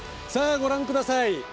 ご覧ください。